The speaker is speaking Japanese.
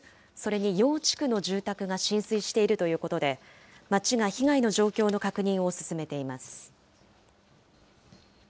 それに４地区の住宅が浸水しているということで町は被害の状況の確認を進めています。